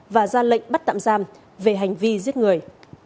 và ra lệnh bắt tạm giam về hành vi giết người